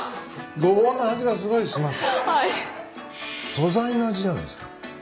素材の味じゃないですか。